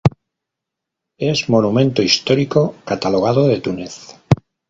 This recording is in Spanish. Es monumento histórico catalogado de Túnez.